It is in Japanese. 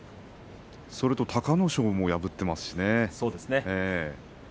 それと隆の勝も破っていますしね。